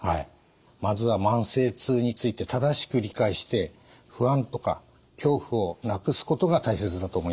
まずは慢性痛について正しく理解して不安とか恐怖をなくすことが大切だと思います。